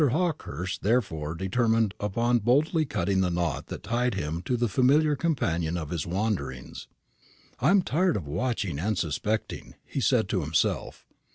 Hawkehurst therefore determined upon boldly cutting the knot that tied him to the familiar companion of his wanderings. "I am tired of watching and suspecting," he said to himself.